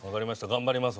頑張ります